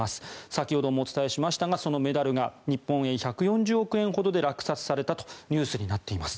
先ほどもお伝えしましたがそのメダルが日本円およそ１４０億円ほどで落札されたとニュースになっています。